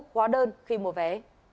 quá đơn khi mua vé